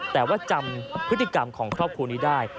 แต่ว่าจำพฤติกรรมของครอบครัวนี้ได้